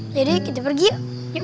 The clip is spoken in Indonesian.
jadi kita pergi yuk